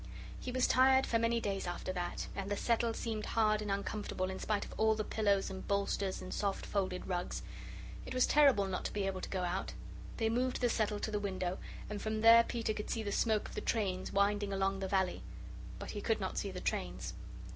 He was tired for many days after that, and the settle seemed hard and uncomfortable in spite of all the pillows and bolsters and soft folded rugs. It was terrible not to be able to go out. They moved the settle to the window, and from there Peter could see the smoke of the trains winding along the valley. But he could not see the trains.